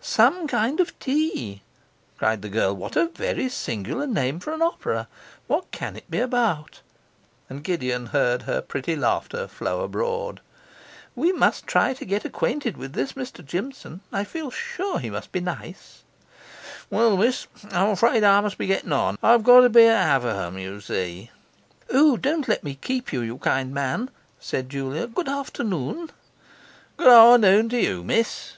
'SOME KIND OF TEA!' cried the girl. 'What a very singular name for an opera! What can it be about?' And Gideon heard her pretty laughter flow abroad. 'We must try to get acquainted with this Mr Jimson; I feel sure he must be nice.' 'Well, miss, I'm afraid I must be going on. I've got to be at Haverham, you see.' 'O, don't let me keep you, you kind man!' said Julia. 'Good afternoon.' 'Good afternoon to you, miss.